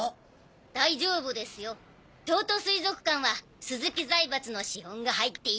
大丈夫ですよ東都水族館は鈴木財閥の資本が入っていたはず。